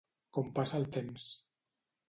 Com passa el temps.